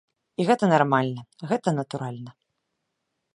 І гэта нармальна, гэта натуральна.